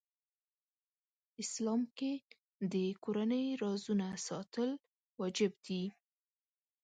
اسلام کې د کورنۍ رازونه ساتل واجب دي .